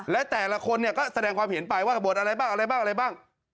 และแต่ละคนเนี่ยก็แสดงความเห็นไปว่าทั้งหมดอะไรบ้าง